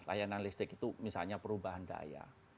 layanan listrik itu misalnya perubahan daya